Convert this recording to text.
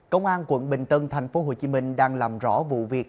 công an quận bình tân tp hcm đang làm rõ vụ việc